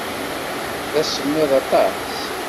D asemmiḍ aṭas.